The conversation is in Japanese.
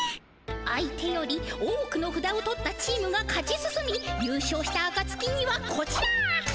相手より多くのふだを取ったチームが勝ち進みゆう勝したあかつきにはこちら！